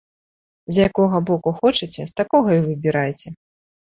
З якога боку хочаце, з такога і выбірайце.